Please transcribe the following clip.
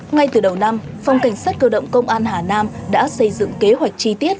ngay từ đầu năm phòng cảnh sát cơ động công an hà nam đã xây dựng kế hoạch chi tiết